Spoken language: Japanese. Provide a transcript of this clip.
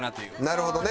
なるほどね。